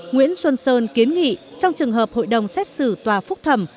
nguyễn xuân sơn kiến nghị trong trường hợp hội đồng xét xử tòa phúc thẩm